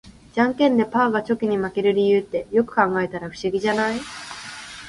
ジャンケンでパーがチョキに負ける理由って、よく考えたら不思議じゃない？